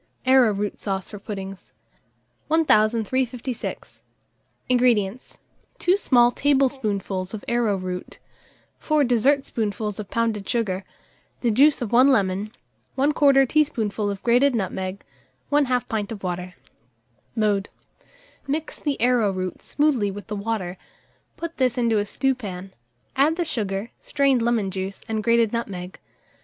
ARROWROOT SAUCE FOR PUDDINGS. 1356. INGREDIENTS. 2 small teaspoonfuls of arrowroot, 4 dessert spoonfuls of pounded sugar, the juice of 1 lemon, 1/4 teaspoonful of grated nutmeg, 1/2 pint of water. Mode. Mix the arrowroot smoothly with the water; put this into a stewpan; add the sugar, strained lemon juice, and grated nutmeg.